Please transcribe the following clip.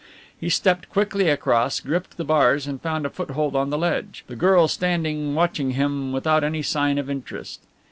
He stepped quickly across, gripped the bars and found a foothold on the ledge, the girl standing watching him without any sign of interest.